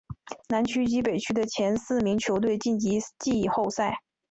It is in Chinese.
南区及北区的前四名球队晋级季后赛。